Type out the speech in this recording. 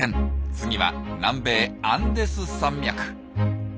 次は南米アンデス山脈。